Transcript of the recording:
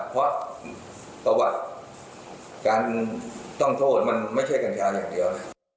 เพราะประวัติการต้องโทษมันไม่ใช่กัญชาอย่างเดียว